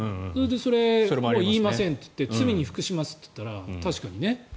それを言いませんといって罪に服しますと言ったら確かにね。